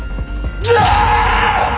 うわ！